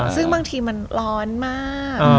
ซึ่งบางทีมันร้อนมาก